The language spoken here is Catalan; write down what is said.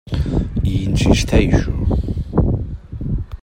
Hi insisteixo.